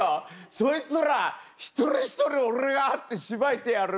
そいつら一人一人俺が会ってしばいてやる！」